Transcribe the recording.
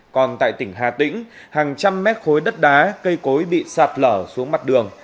còn tại tỉnh hà tĩnh hàng trăm mét khối đất đá cây cối bị sạt lở xuống mặt đường